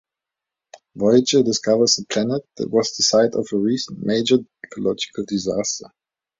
"Voyager" discovers a planet that was the site of a recent major ecological disaster.